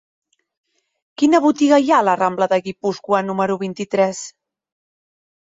Quina botiga hi ha a la rambla de Guipúscoa número vint-i-tres?